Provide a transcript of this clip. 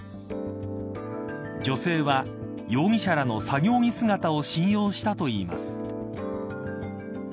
女性は容疑者らの作業着姿を信用したといいます。